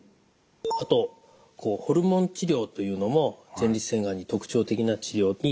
あとホルモン治療というのも前立腺がんに特徴的な治療になると思います。